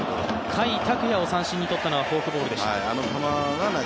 甲斐拓也を三振に取ったのはフォークボールでした。